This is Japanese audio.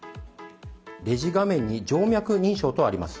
レジ画面に静脈認証とあります。